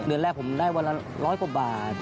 เดือนแรกผมได้วันละ๑๐๐กว่าบาท